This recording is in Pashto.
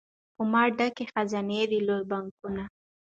په ما ډکي خزانې دي لوی بانکونه